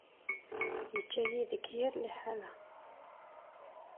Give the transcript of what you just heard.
Yeǧǧa-yi deg yir liḥala.